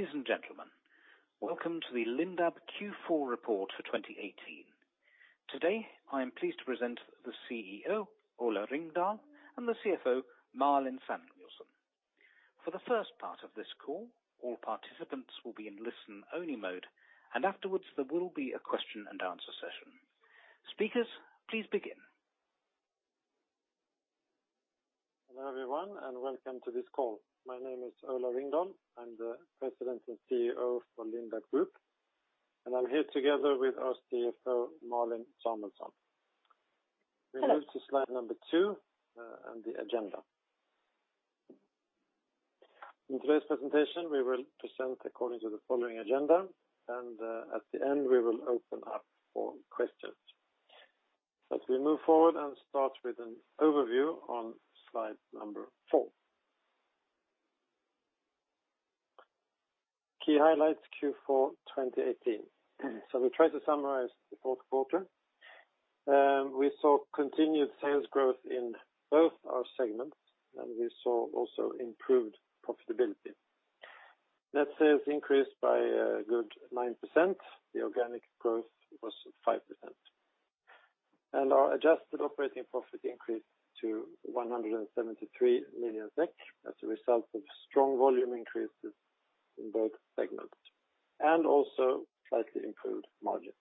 Ladies and gentlemen, welcome to the Lindab Q4 report for 2018. Today, I am pleased to present the CEO, Ola Ringdahl, and the CFO, Malin Samuelsson. For the first part of this call, all participants will be in listen-only mode. Afterwards, there will be a question and answer session. Speakers, please begin. Hello, everyone, and welcome to this call. My name is Ola Ringdahl. I'm the President and CEO for Lindab Group, and I'm here together with our CFO, Malin Samuelsson. We move to slide number 2, and the agenda. In today's presentation, we will present according to the following agenda, and at the end, we will open up for questions. As we move forward and start with an overview on slide number 4. Key highlights, Q4 2018. We try to summarize the fourth quarter. We saw continued sales growth in both our segments, and we saw also improved profitability. Net sales increased by a good 9%, the organic growth was 5%. Our adjusted operating profit increased to 173 million SEK as a result of strong volume increases in both segments, and also slightly improved margins.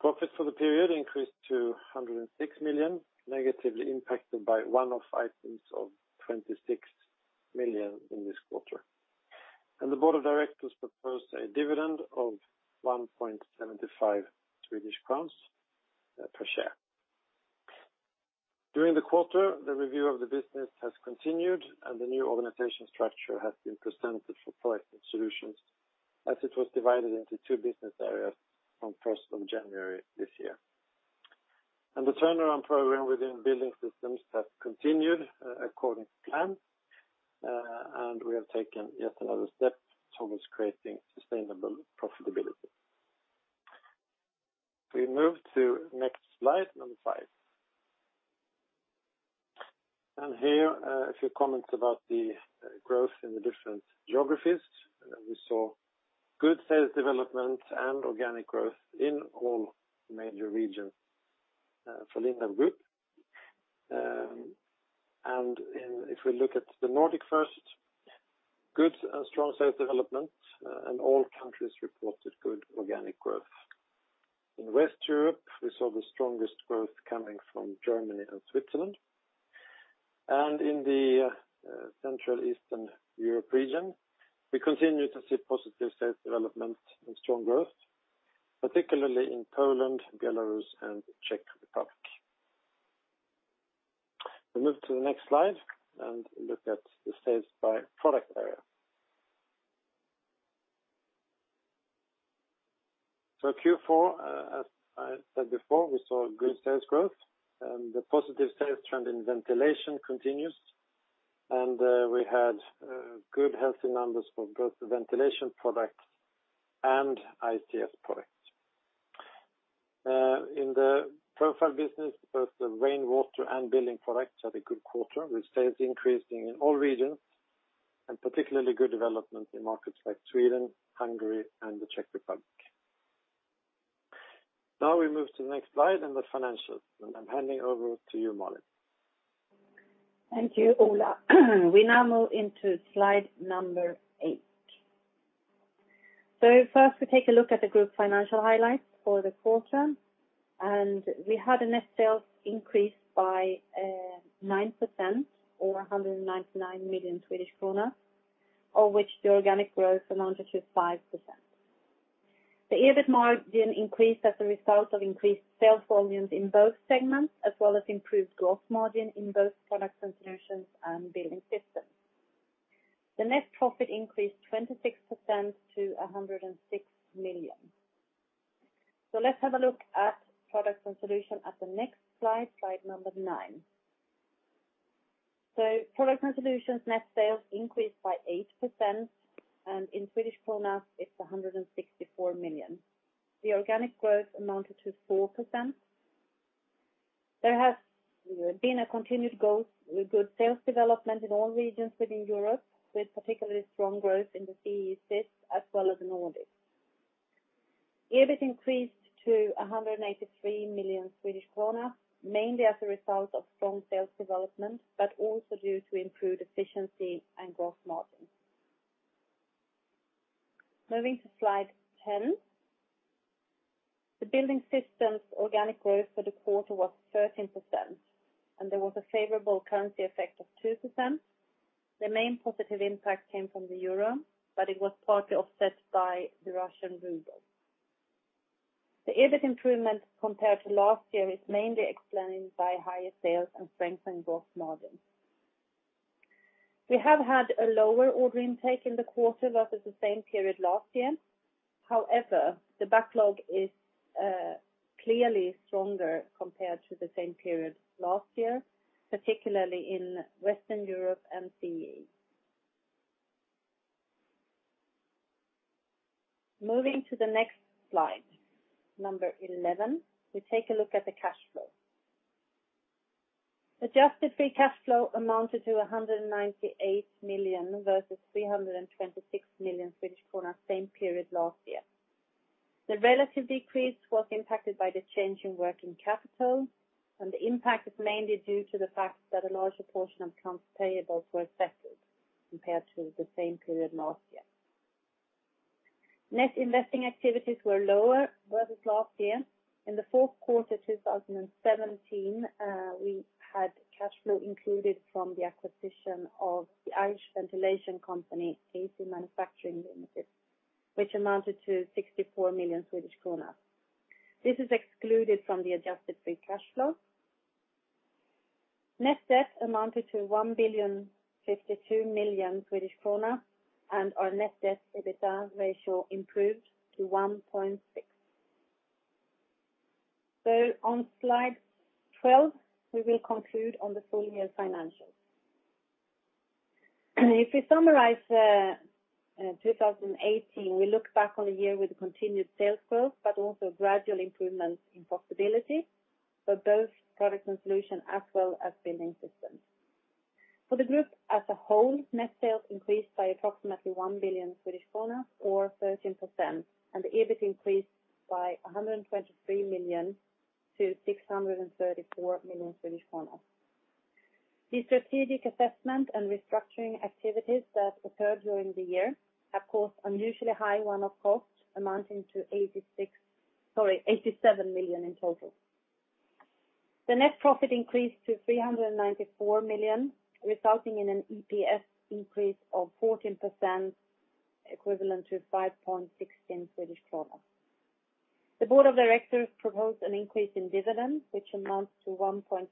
Profit for the period increased to 106 million, negatively impacted by one-off items of 26 million in this quarter. The Board of directors proposed a dividend of SEK 1.75 per share. During the quarter, the review of the business has continued, and the new organization structure has been presented for Products & Solutions as it was divided into two business areas on January 1 this year. The turnaround program within Building Systems has continued according to plan, and we have taken yet another step towards creating sustainable profitability. We move to next slide, number 5. Here, a few comments about the growth in the different geographies. We saw good sales development and organic growth in all major regions for Lindab Group. If we look at the Nordic first, good and strong sales development. All countries reported good organic growth. In West Europe, we saw the strongest growth coming from Germany and Switzerland. In the Central Eastern Europe region, we continue to see positive sales development and strong growth, particularly in Poland, Belarus, and Czech Republic. We move to the next slide and look at the sales by product area. Q4, as I said before, we saw good sales growth. The positive sales trend in ventilation continues. We had good healthy numbers for both the ventilation products and ICS products. In the profile business, both the rainwater and building products had a good quarter, with sales increasing in all regions, and particularly good development in markets like Sweden, Hungary, and the Czech Republic. Now we move to the next slide and the financials, and I'm handing over to you, Malin. Thank you, Ola. We now move into slide number eight. First, we take a look at the group financial highlights for the quarter, we had a net sales increase by 9% or 199 million Swedish kronor, of which the organic growth amounted to 5%. The EBIT margin increased as a result of increased sales volumes in both segments, as well as improved gross margin in both Products & Solutions and Building Systems. The net profit increased 26% to 106 million. Let's have a look at Products & Solutions at the next slide number nine. Products & Solutions net sales increased by 8%, and in Swedish krona, it's 164 million. The organic growth amounted to 4%. There has, you know, been a continued growth with good sales development in all regions within Europe, with particularly strong growth in the CEE/CIS, as well as the Nordics. EBIT increased to 183 million Swedish kronor, mainly as a result of strong sales development, but also due to improved efficiency and gross margin. Moving to slide 10. The Building Systems organic growth for the quarter was 13%, and there was a favorable currency effect of 2%. The main positive impact came from the Euro, but it was partly offset by the Russian ruble. The EBIT improvement compared to last year is mainly explained by higher sales and strengthened gross margin. We have had a lower order intake in the quarter versus the same period last year. However, the backlog is clearly stronger compared to the same period last year, particularly in Western Europe and CEE. Moving to the next slide, number 11, we take a look at the cash flow. Adjusted free cash flow amounted to 198 million versus 326 million Swedish kronor, same period last year. The relative decrease was impacted by the change in working capital. The impact is mainly due to the fact that a larger portion of accounts payables were affected compared to the same period last year. Net investing activities were lower versus last year. In the fourth quarter, 2017, we had cash flow included from the acquisition of the Irish ventilation company, A.C. Manufacturing Limited, which amounted to 64 million Swedish kronor. This is excluded from the adjusted free cash flow. Net debt amounted to 1.052 billion, and our net debt EBITDA ratio improved to 1.6. On slide 12, we will conclude on the full year financials. If we summarize 2018, we look back on a year with continued sales growth, but also gradual improvement in profitability for both Products & Solutions, as well as Building Systems. For the group as a whole, net sales increased by approximately 1 billion Swedish kronor or 13%, and the EBIT increased by 123 million to 634 million Swedish kronor. The strategic assessment and restructuring activities that occurred during the year have caused unusually high one-off costs, amounting to 87 million in total. The net profit increased to 394 million, resulting in an EPS increase of 14%, equivalent to 5.16. The board of directors proposed an increase in dividend, which amounts to 1.75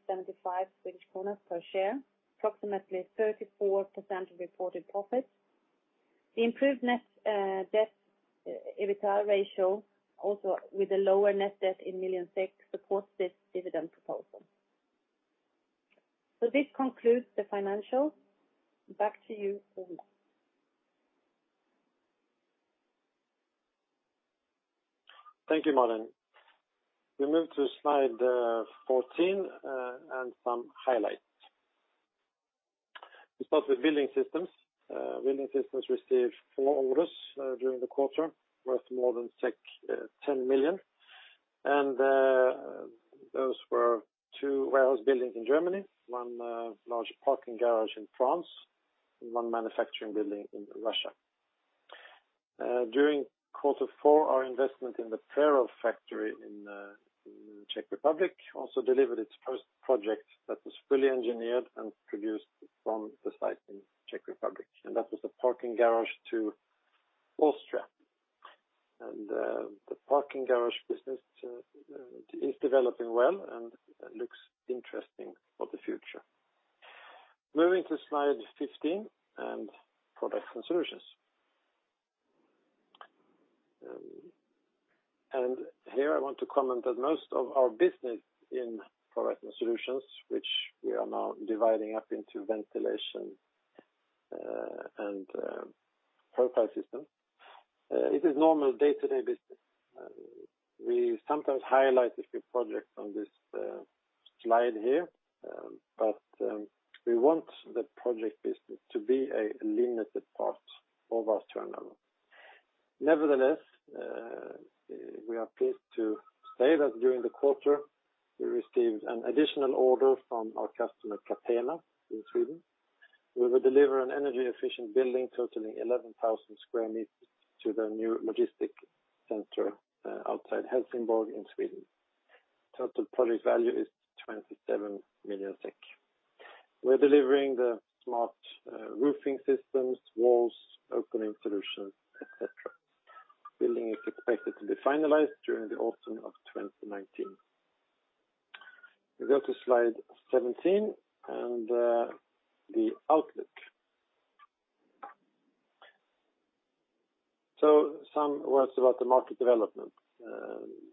kronor per share, approximately 34% of reported profit. The improved net debt, EBITDA ratio, also with a lower net debt in million SEK, supports this dividend proposal. This concludes the financials. Back to you, Ola Ringdahl. Thank you, Malin. We move to slide 14 and some highlights. We start with Building Systems. Building Systems received 4 orders during the quarter, worth more than 10 million. Those were 2 warehouse buildings in Germany, 1 large parking garage in France, and 1 manufacturing building in Russia. During quarter four, our investment in the Přerov factory in Czech Republic also delivered its first project that was fully engineered and produced from the site in Czech Republic, and that was a parking garage to Austria. The parking garage business is developing well and looks interesting for the future. Moving to slide 15 and Products & Solutions. Here I want to comment that most of our business in Products & Solutions, which we are now dividing up into ventilation and profile systems, it is normal day-to-day business. We sometimes highlight a few projects on this slide here, but we want the project business to be a limited part of our turnover. Nevertheless, we are pleased to say that during the quarter, we received an additional order from our customer, Catena in Sweden. We will deliver an energy-efficient building totaling 11,000 square meters to the new logistic center outside Helsingborg in Sweden. Total project value is 27 million SEK. We're delivering the smart roofing systems, walls, opening solutions, etc. Building is expected to be finalized during the autumn of 2019. We go to slide 17, and the outlook. Some words about the market development.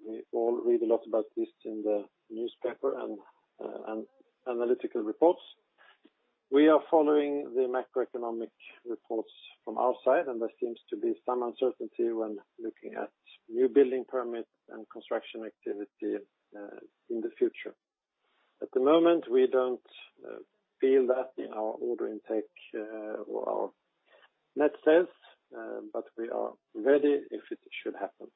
We all read a lot about this in the newspaper and analytical reports. We are following the macroeconomic reports from our side, there seems to be some uncertainty when looking at new building permits and construction activity in the future. At the moment, we don't feel that in our order intake or our net sales, we are ready if it should happen.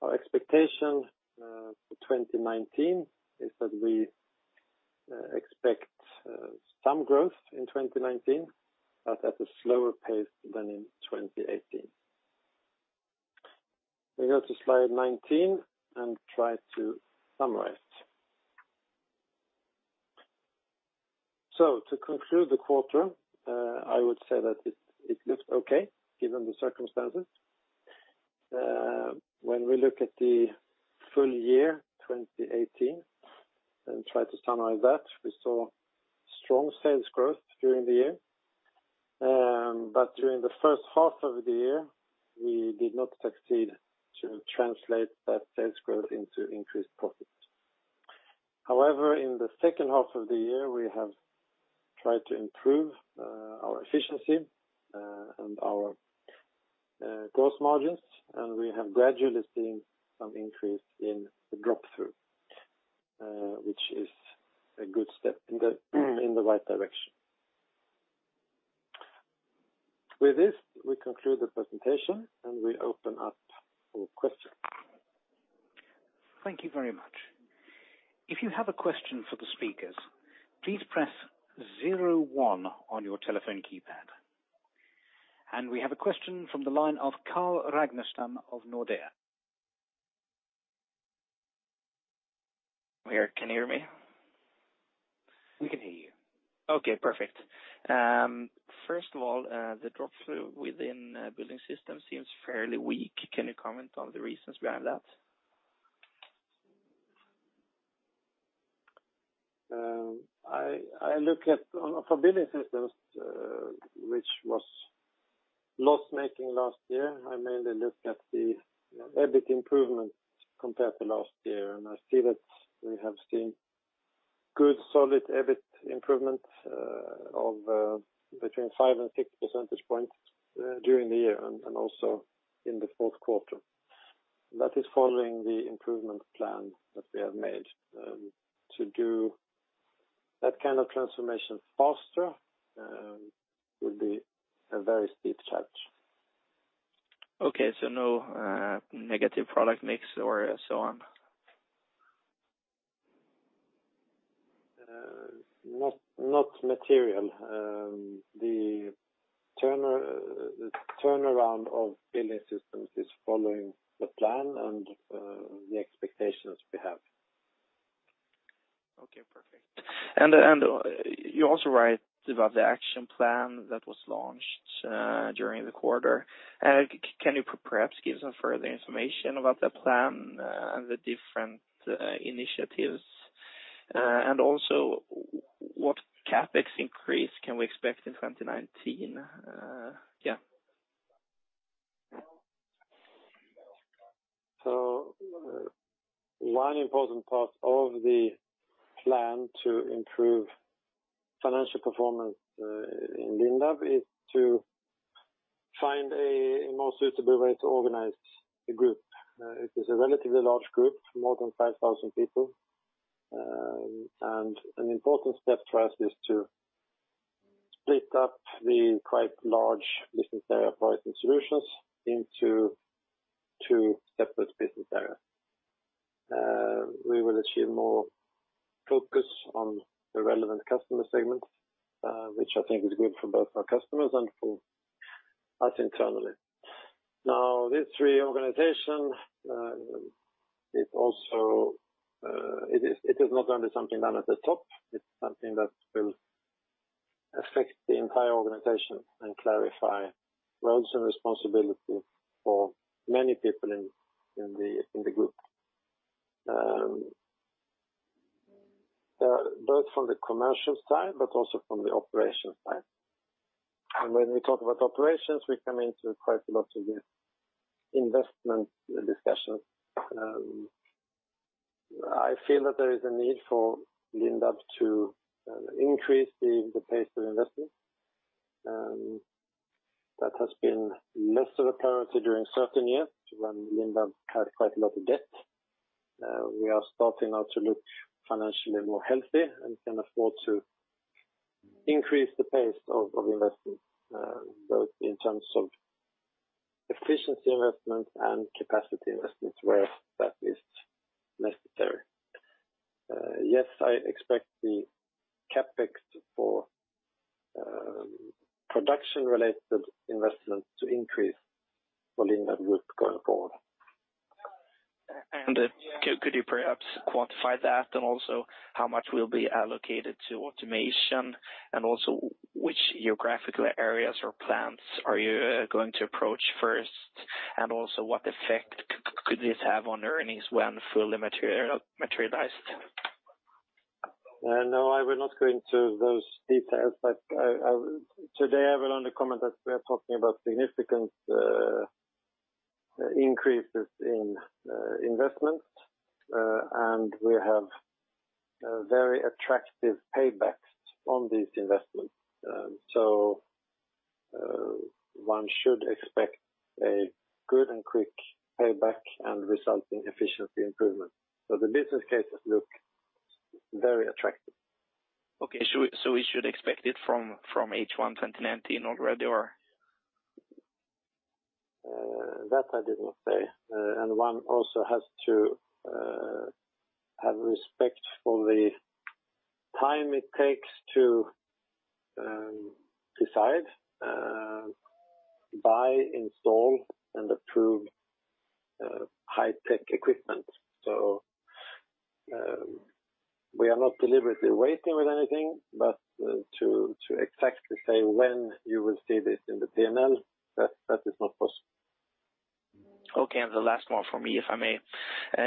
Our expectation for 2019 is that we expect some growth in 2019, at a slower pace than in 2018. We go to slide 19 and try to summarize. To conclude the quarter, I would say that it looks okay, given the circumstances. When we look at the full year, 2018, and try to summarize that, we saw strong sales growth during the year. During the first half of the year, we did not succeed to translate that sales growth into increased profits. However, in the second half of the year, we have tried to improve our efficiency and our gross margins, and we have gradually seen some increase in the drop through, which is a good step in the right direction. With this, we conclude the presentation, and we open up for questions. Thank you very much. If you have a question for the speakers, please press zero one on your telephone keypad. We have a question from the line of Carl Ragnerstam of Nordea. Can you hear me? We can hear you. Okay, perfect. First of all, the drop through within Building Systems seems fairly weak. Can you comment on the reasons behind that? I look at for Building Systems, which was loss-making last year, I mainly look at the EBIT improvement compared to last year, and I see that we have seen good solid EBIT improvement of between five and six percentage points during the year and also in the fourth quarter. That is following the improvement plan that we have made. To do that kind of transformation faster, would be a very steep challenge. Okay, no, negative product mix or so on? Not material. The turnaround of Building Systems is following the plan and the expectations we have. Okay, perfect. You also write about the action plan that was launched during the quarter. Can you perhaps give some further information about the plan and the different initiatives? What CapEx increase can we expect in 2019? Yeah. One important part of the plan to improve financial performance in Lindab is to find a more suitable way to organize the group. It is a relatively large group, more than 5,000 people. An important step for us is to split up the quite large business area Products & Solutions into two separate business areas. We will achieve more focus on the relevant customer segments, which I think is good for both our customers and for us internally. This reorganization, it also, it is not only something done at the top, it's something that will affect the entire organization and clarify roles and responsibility for many people in the group. Both from the commercial side, but also from the operations side. When we talk about operations, we come into quite a lot of the investment discussions. I feel that there is a need for Lindab to increase the pace of investment. That has been less of a priority during certain years, when Lindab had quite a lot of debt. We are starting now to look financially more healthy and can afford to increase the pace of investment, both in terms of efficiency investment and capacity investment, where that is necessary. Yes, I expect the CapEx for production-related investment to increase for Lindab Group going forward. Could you perhaps quantify that? Also, how much will be allocated to automation, also which geographical areas or plants are you going to approach first? Also, what effect could this have on earnings when fully materialized? No, I will not go into those details, but I today I will only comment that we are talking about significant increases in investments, and we have very attractive paybacks on these investments. One should expect a good and quick payback and resulting efficiency improvement. The business cases look very attractive. Okay, we should expect it from H1 2019 already, or? That I did not say. One also has to have respect for the time it takes to decide, buy, install, and approve high-tech equipment. We are not deliberately waiting with anything, but to exactly say when you will see this in the P&L, that is not possible. Okay, the last one for me, if I may.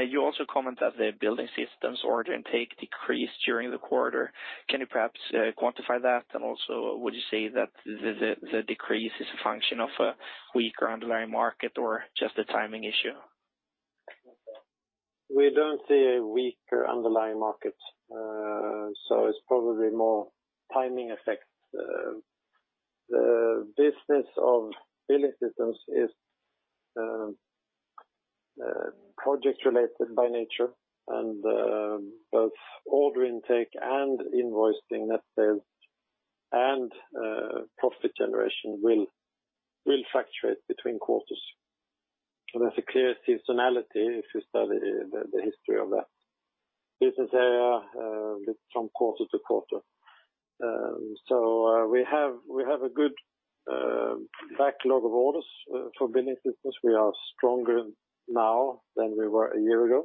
You also comment that the Building Systems order intake decreased during the quarter. Can you perhaps quantify that? Also, would you say that the decrease is a function of a weaker underlying market or just a timing issue? We don't see a weaker underlying market, it's probably more timing effect. The business of Building Systems is project related by nature, and both order intake and invoicing, net sales, and profit generation will fluctuate between quarters. There's a clear seasonality if you study the history of that business area from quarter to quarter. We have a good backlog of orders. For Building Systems, we are stronger now than we were a year ago.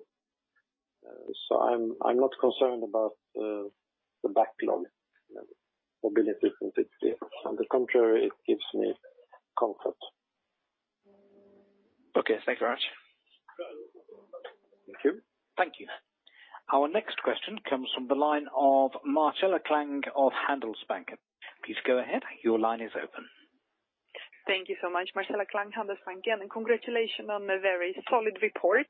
I'm not concerned about the backlog for Building Systems. On the contrary, it gives me comfort. Okay, thanks very much. Thank you. Thank you. Our next question comes from the line of Marcela Klang of Handelsbanken. Please go ahead. Your line is open. Thank you so much, Marcela Klang, Handelsbanken, and congratulations on a very solid report.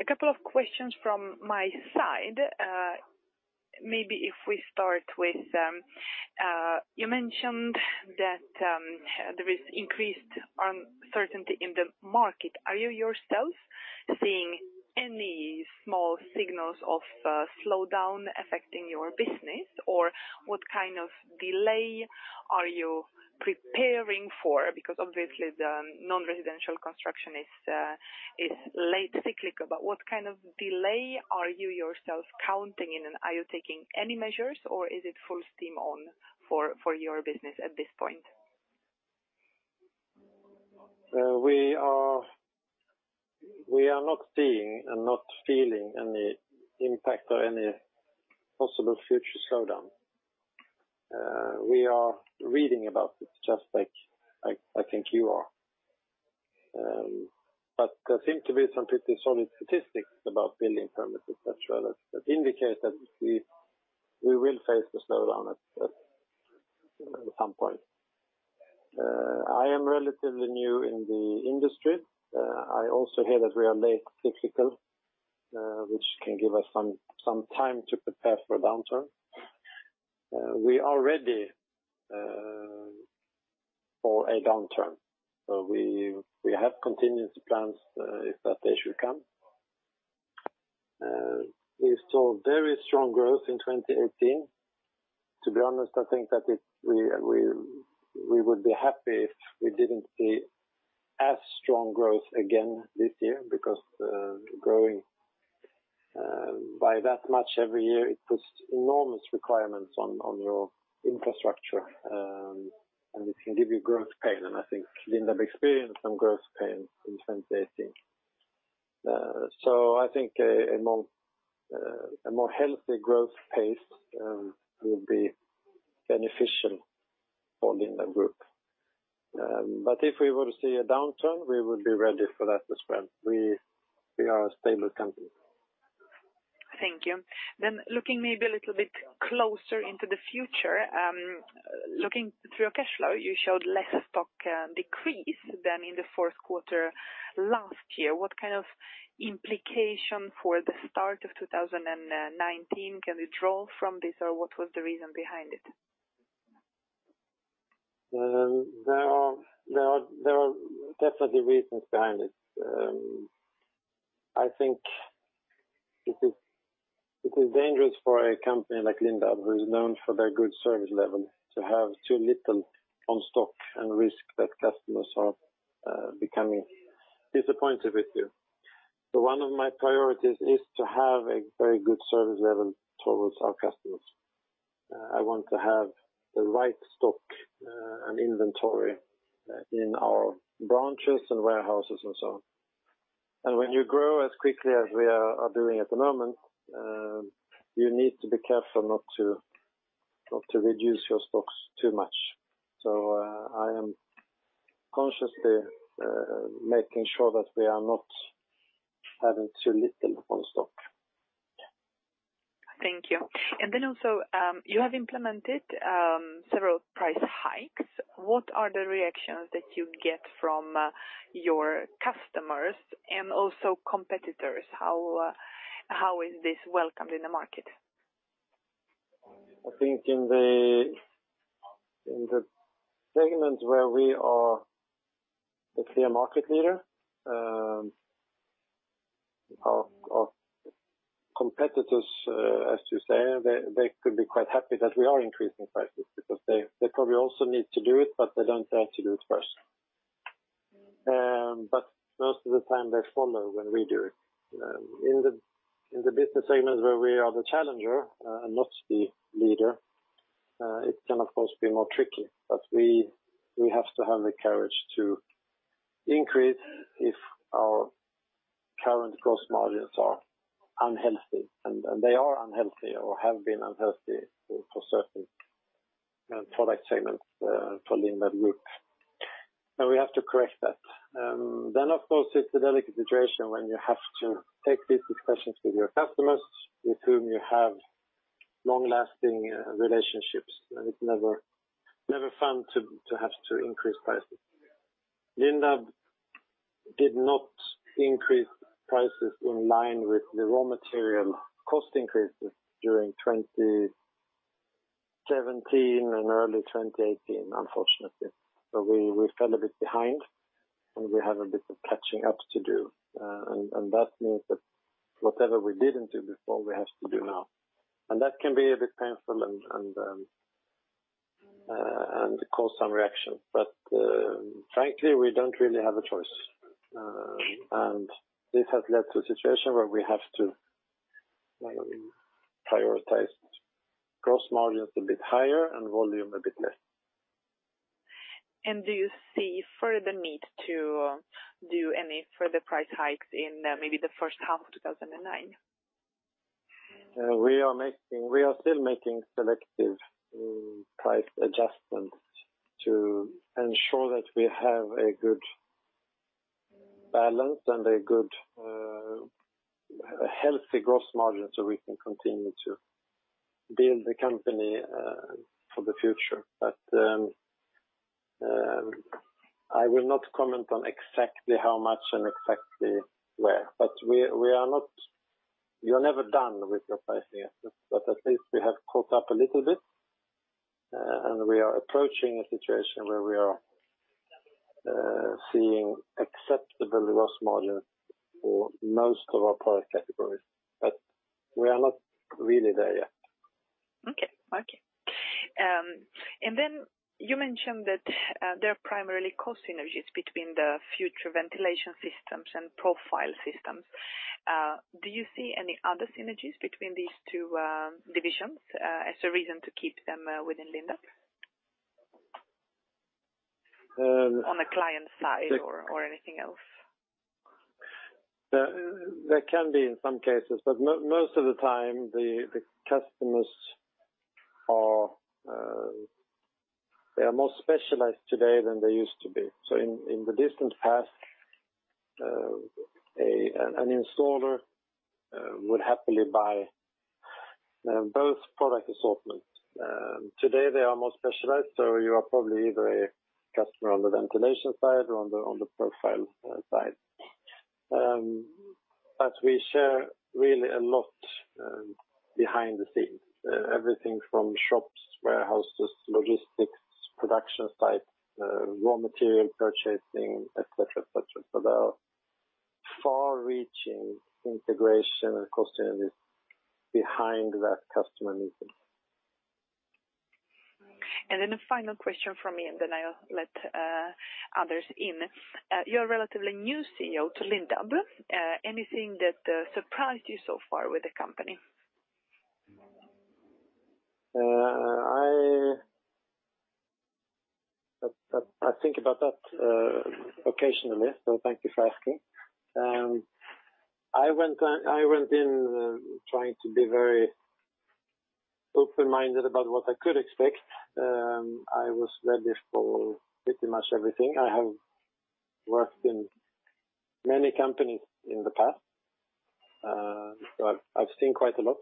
A couple of questions from my side. Maybe if we start with, you mentioned that there is increased uncertainty in the market. Are you yourself seeing any small signals of slowdown affecting your business? What kind of delay are you preparing for? Because obviously the non-residential construction is late cyclical, but what kind of delay are you yourself counting in, and are you taking any measures, or is it full steam on for your business at this point? We are not seeing and not feeling any impact or any possible future slowdown. We are reading about it, just like I think you are. There seem to be some pretty solid statistics about building permits, etc., that indicate that we will face the slowdown at some point. I am relatively new in the industry. I also hear that we are late cyclical, which can give us some time to prepare for a downturn. We are ready for a downturn. We have contingency plans if that day should come. We saw very strong growth in 2018. To be honest, I think that we would be happy if we didn't see as strong growth again this year, because growing by that much every year, it puts enormous requirements on your infrastructure, and it can give you growth pain. I think Lindab experienced some growth pain in 2018. I think a more healthy growth pace will be beneficial for Lindab Group. If we were to see a downturn, we would be ready for that as well. We are a stable company. Thank you. Looking maybe a little bit closer into the future, looking through your cash flow, you showed less stock decrease than in the fourth quarter last year. What kind of implication for the start of 2019 can we draw from this, or what was the reason behind it? There are definitely reasons behind it. I think it is dangerous for a company like Lindab, who is known for their good service level, to have too little on stock and risk that customers are becoming disappointed with you. One of my priorities is to have a very good service level towards our customers. I want to have the right stock and inventory in our branches and warehouses and so on. When you grow as quickly as we are doing at the moment, you need to be careful not to reduce your stocks too much. I am consciously making sure that we are not having too little on stock. Thank you. Also, you have implemented several price hikes. What are the reactions that you get from your customers and also competitors? How is this welcomed in the market? I think in the segments where we are the clear market leader, our competitors, as you say, they could be quite happy that we are increasing prices because they probably also need to do it, but they don't have to do it first. Most of the time they follow when we do it. In the business segments where we are the challenger and not the leader, it can of course be more tricky, but we have to have the courage to increase if our current gross margins are unhealthy, and they are unhealthy or have been unhealthy for certain product segments for Lindab Group. We have to correct that. Of course, it's a delicate situation when you have to take these discussions with your customers, with whom you have. long lasting relationships. It's never fun to have to increase prices. Lindab did not increase prices in line with the raw material cost increases during 2017 and early 2018, unfortunately. We fell a bit behind, and we have a bit of catching up to do. That means that whatever we didn't do before, we have to do now. That can be a bit painful and cause some reaction. Frankly, we don't really have a choice. This has led to a situation where we have to, I mean, prioritize gross margins a bit higher and volume a bit less. Do you see further need to do any further price hikes in maybe the first half of 2009? We are still making selective price adjustments to ensure that we have a good balance and a good, a healthy gross margin, so we can continue to build the company for the future. I will not comment on exactly how much and exactly where, but we you're never done with your price adjustment, but at least we have caught up a little bit. We are approaching a situation where we are, seeing acceptable gross margin for most of our product categories, but we are not really there yet. Okay. Okay. You mentioned that there are primarily cost synergies between the future ventilation systems and profile systems. Do you see any other synergies between these two divisions as a reason to keep them within Lindab? Uh- On the client side or anything else? There can be in some cases, but most of the time, the customers are, they are more specialized today than they used to be. In the distant past, an installer would happily buy both product assortments. Today, they are more specialized, so you are probably either a customer on the ventilation side or on the profile side. We share really a lot behind the scenes. Everything from shops, warehouses, logistics, production sites, raw material purchasing, etc., etc. There are far-reaching integration and cost synergies behind that customer meeting. A final question from me, and then I'll let others in. You're a relatively new CEO to Lindab. Anything that surprised you so far with the company? I think about that occasionally, so thank you for asking. I went in trying to be very open-minded about what I could expect. I was ready for pretty much everything. I have worked in many companies in the past, so I've seen quite a lot.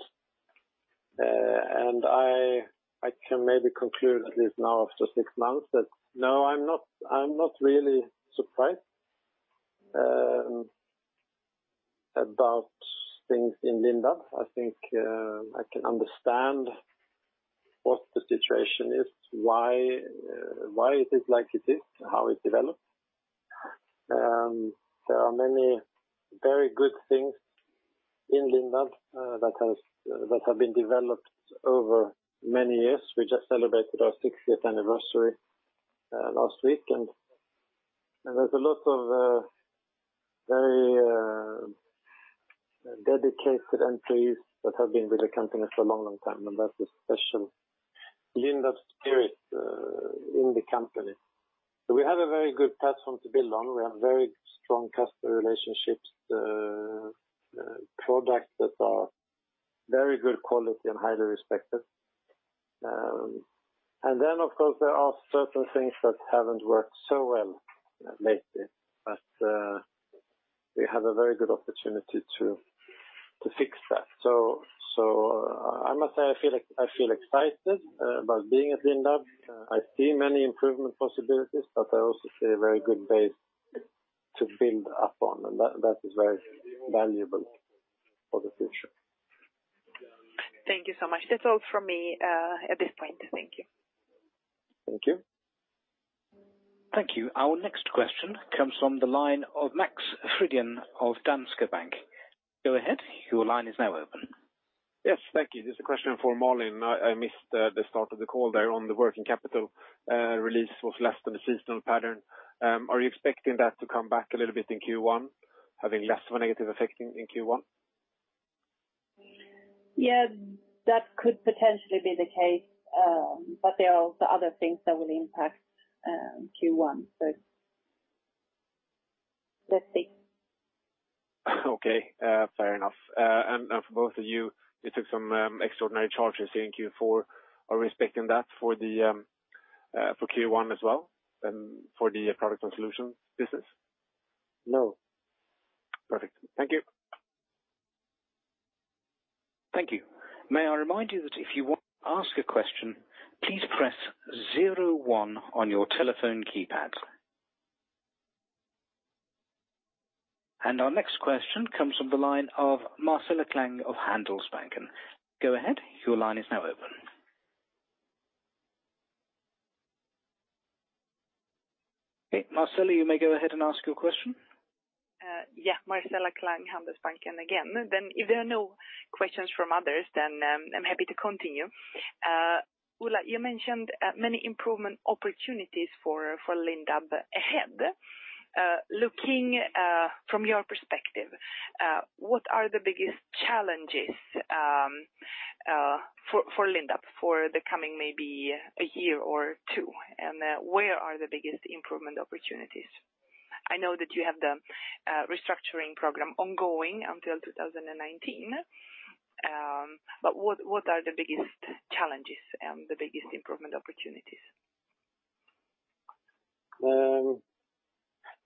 I can maybe conclude at least now, after six months, that, no, I'm not really surprised about things in Lindab. I think I can understand what the situation is, why it is like it is, how it developed. There are many very good things in Lindab that have been developed over many years. We just celebrated our sixtieth anniversary last week, and there's a lot of very dedicated employees that have been with the company for a long, long time, and that's a special Lindab spirit in the company. We have a very good platform to build on. We have very strong customer relationships, products that are very good quality and highly respected. Then, of course, there are certain things that haven't worked so well lately, but we have a very good opportunity to fix that. So I must say, I feel excited about being at Lindab. I see many improvement possibilities, but I also see a very good base to build upon, and that is very valuable for the future. Thank you so much. That's all from me, at this point. Thank you. Thank you. Thank you. Our next question comes from the line of Max Frydén of Danske Bank. Go ahead, your line is now open. Yes, thank you. Just a question for Malin. I missed the start of the call there on the working capital release was less than the seasonal pattern. Are you expecting that to come back a little bit in Q1, having less of a negative effect in Q1? Yes, that could potentially be the case. There are also other things that will impact Q1. Let's see. Okay, fair enough. For both of you took some extraordinary charges here in Q4. Are we expecting that for Q1 as well, and for the Products & Solutions business? No. Perfect. Thank you. Thank you. May I remind you that if you want to ask a question, please press zero one on your telephone keypad. Our next question comes from the line of Marcela Klang of Handelsbanken. Go ahead, your line is now open. Hey, Marcela, you may go ahead and ask your question. Yeah. Marcela Klang, Handelsbanken again. If there are no questions from others, then I'm happy to continue. Ola, you mentioned many improvement opportunities for Lindab ahead. Looking from your perspective, what are the biggest challenges for Lindab for the coming maybe a year or 2? Where are the biggest improvement opportunities? I know that you have the restructuring program ongoing until 2019, but what are the biggest challenges and the biggest improvement opportunities?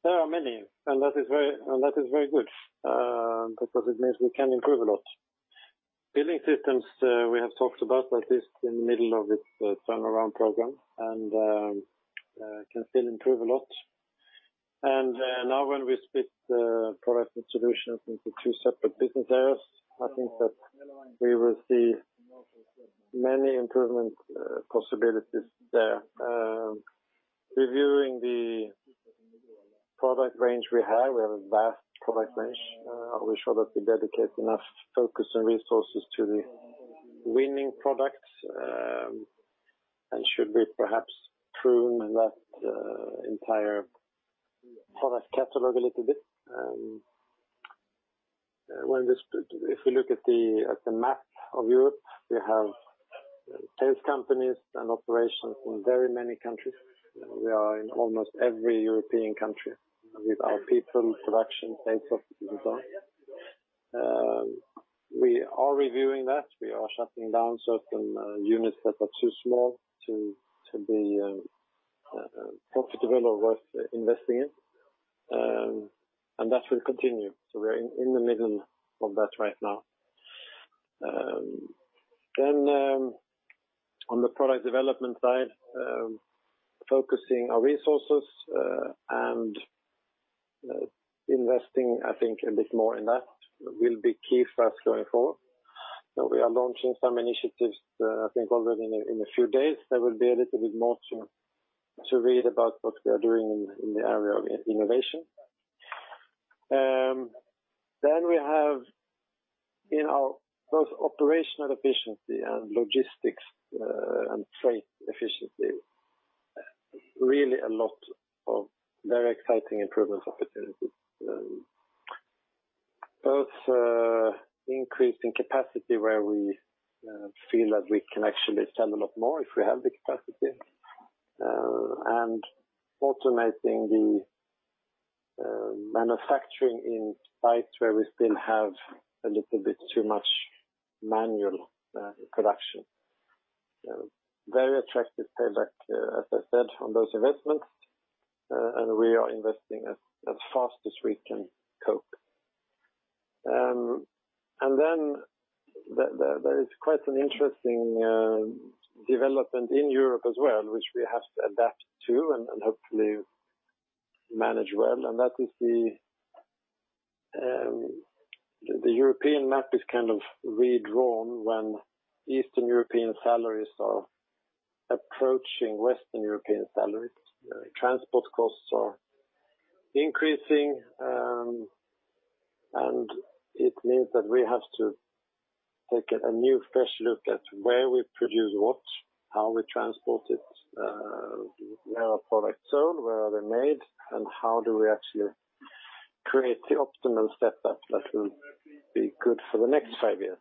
There are many, and that is very good, because it means we can improve a lot. Building Systems, we have talked about, that is in the middle of this turnaround program, and can still improve a lot. Now when we split the Products & Solutions into two separate business areas, I think that we will see many improvement possibilities there. Reviewing the product range we have, we have a vast product range. We're sure that we dedicate enough focus and resources to the winnning products, and should we perhaps prune that entire product catalog a little bit? If we look at the map of Europe, we have sales companies and operations in very many countries. We are in almost every European country with our people, production, sales, office, and so on. We are reviewing that. We are shutting down certain units that are too small to be profitable or worth investing in. That will continue. We're in the middle of that right now. On the product development side, focusing our resources and investing, I think, a bit more in that will be key for us going forward. We are launching some initiatives, I think already in a few days. There will be a little bit more to read about what we are doing in the area of innovation. We have in our both operational efficiency and logistics and trade efficiency, really a lot of very exciting improvement opportunities. Both increase in capacity where we feel that we can actually sell a lot more if we have the capacity, and automating the manufacturing in sites where we still have a little bit too much manual production. Very attractive payback, as I said, from those investments, and we are investing as fast as we can cope. There is quite an interesting development in Europe as well, which we have to adapt to and hopefully manage well. That is the European map is kind of redrawn when Eastern European salaries are approaching Western European salaries. Transport costs are increasing, and it means that we have to take a new fresh look at where we produce what, how we transport it, where our products are sold, where are they made, and how do we actually create the optimal setup that will be good for the next five years.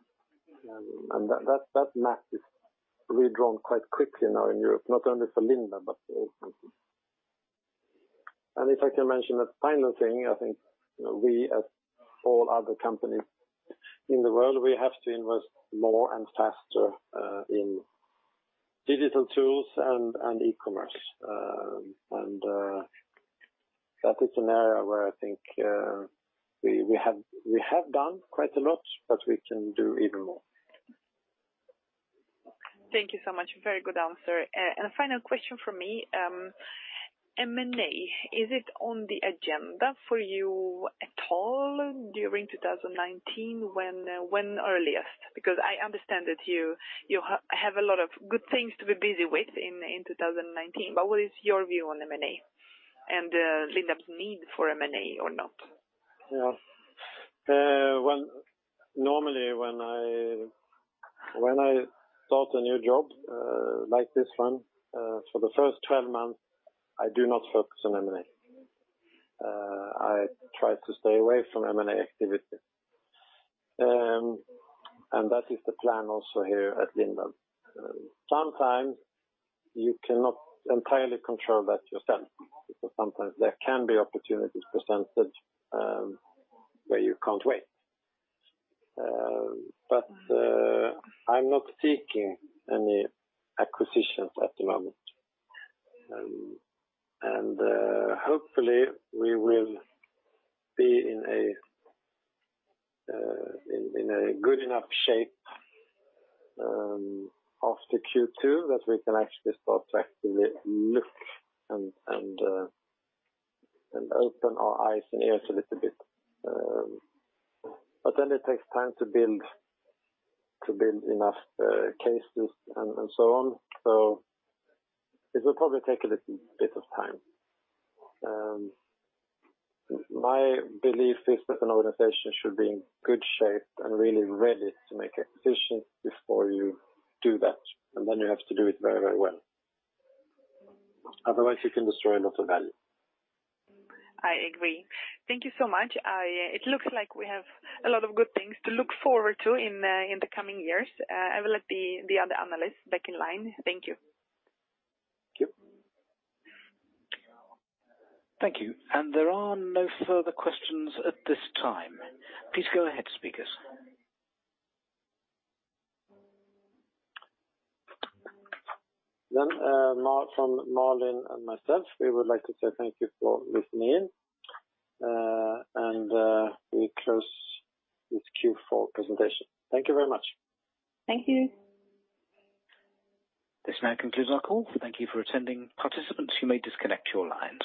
That map is redrawn quite quickly now in Europe, not only for Lindab, but for all companies. If I can mention a final thing, I think, you know, we, as all other companies in the world, we have to invest more and faster in digital tools and e-commerce. That is an area where I think we have done quite a lot, but we can do even more. Thank you so much. Very good answer. A final question from me. M&A, is it on the agenda for you at all during 2019? When, when earliest? Because I understand that you have a lot of good things to be busy with in 2019, but what is your view on M&A and Lindab's need for M&A or not? Yeah. Normally, when I start a new job, like this one, for the 1st 12 months, I do not focus on M&A. I try to stay away from M&A activity. That is the plan also here at Lindab. Sometimes you cannot entirely control that yourself, because sometimes there can be opportunities presented, where you can't wait. I'm not seeking any acquisitions at the moment. Hopefully, we will be in a good enough shape after Q2, that we can actually start to actively look and open our eyes and ears a little bit. It takes time to build enough cases and so on. It will probably take a little bit of time. My belief is that an organization should be in good shape and really ready to make acquisitions before you do that, and then you have to do it very, very well. Otherwise, you can destroy a lot of value. I agree. Thank you so much. It looks like we have a lot of good things to look forward to in the coming years. I will let the other analysts back in line. Thank you. Thank you. Thank you. There are no further questions at this time. Please go ahead, speakers. From Malin and myself, we would like to say thank you for listening in. We close this Q4 presentation. Thank you very much. Thank you. This now concludes our call. Thank you for attending. Participants, you may disconnect your line.